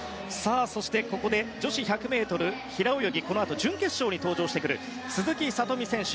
そして女子１００ｍ平泳ぎ準決勝に登場してくる鈴木聡美選手